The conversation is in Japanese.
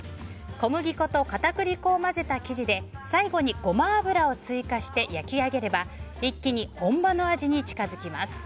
小麦粉と片栗粉を混ぜた生地で最後にごま油を追加して焼き上げれば一気に本場の味に近づきます。